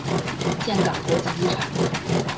岘港国际机场。